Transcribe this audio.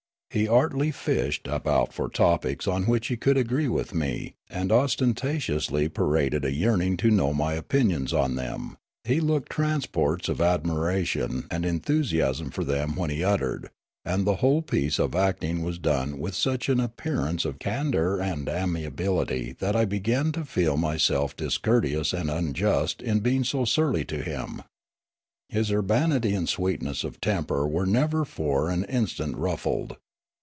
He artfully fished about for topics on which he could agree with me, and ostentatiously paraded a yearning to know ni}' opinions on them ; he looked transports of admiration and en thusiasm for them when uttered; and the whole piece of acting was done with such an appearance of candour 14S Riallaro and amiability that I began to feel myself discourteous and unjust in being so surly to him. His urbanity and sweetness of temper were never for an instant ruffled.